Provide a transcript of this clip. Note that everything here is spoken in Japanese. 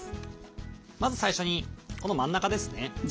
まず最初にこの真ん中ですね。